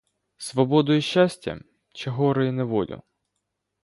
Свободу і щастя чи горе і неволю?